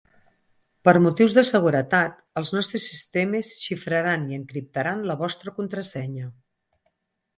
Per motius de seguretat, els nostres sistemes xifraran i encriptaran la vostra contrasenya.